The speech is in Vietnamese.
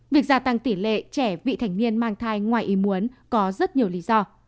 việc gia tăng tỷ lệ trẻ vị thành niên mang thai ngoài ý muốn có rất nhiều lý do